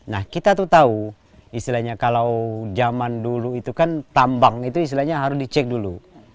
nah kita tuh tahu istilahnya kalau zaman dulu itu kan tambang itu istilahnya harus dicek dulu